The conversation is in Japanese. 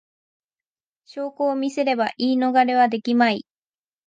証拠を見せれば言い逃れはできまい